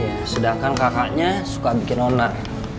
iya sedangkan kakaknya suka bikin onar